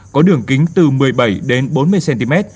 có đường kính từ một mươi bảy đến bốn mươi cm